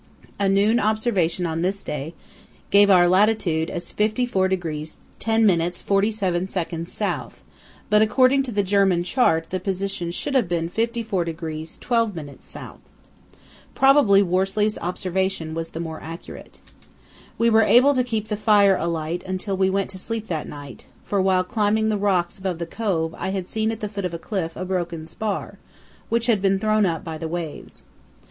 A noon observation on this day gave our latitude as 54° 10´ 47´´ S., but according to the German chart the position should have been 54° 12´ S. Probably Worsley's observation was the more accurate. We were able to keep the fire alight until we went to sleep that night, for while climbing the rocks above the cove I had seen at the foot of a cliff a broken spar, which had been thrown up by the waves.